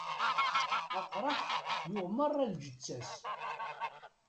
Aqraḥ yuɣ merra lǧett-as.